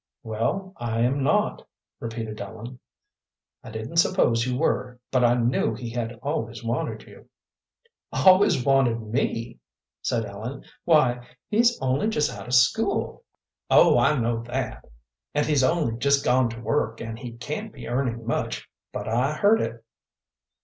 "Well, I am not," repeated Ellen. "I didn't suppose you were, but I knew he had always wanted you." "Always wanted me!" said Ellen. "Why, he's only just out of school!" "Oh, I know that, and he's only just gone to work, and he can't be earning much, but I heard it."